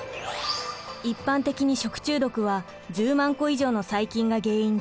一般的に食中毒は１０万個以上の細菌が原因で発症します。